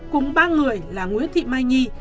cùng ba người là nguyễn thị mai nhi